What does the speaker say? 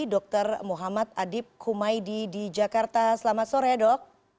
dr muhammad adib kumaydi di jakarta selamat sore dok